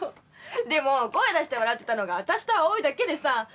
でも声出して笑ってたのが私と葵だけでさ。